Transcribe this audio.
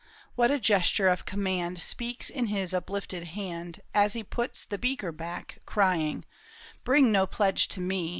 What a gesture of command Speaks in his uplifted hand As he puts the beaker back, Crying, " Bring no pledge to me